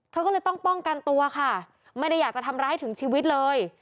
เธอก็เลยต้องป้องกันตัวค่ะไม่ได้อยากจะทำร้ายถึงชีวิตเลย